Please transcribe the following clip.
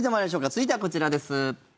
続いてはこちらです。